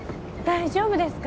大丈夫です。